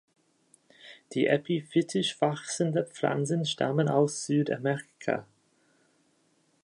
Die epiphytisch wachsende Pflanzen stammen aus Südamerika.